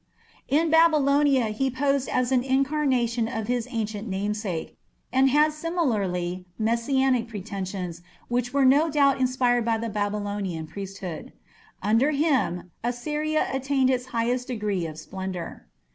In Babylonia he posed as an incarnation of his ancient namesake, and had similarly Messianic pretensions which were no doubt inspired by the Babylonian priesthood. Under him Assyria attained its highest degree of splendour.